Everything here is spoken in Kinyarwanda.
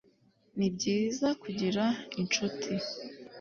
Nibyiza Kugira inshuti